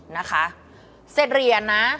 นะคะเศษเหรียญนะ